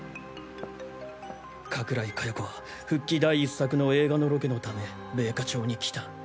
加倉井加代子は復帰第１作の映画のロケのため米花町に来た。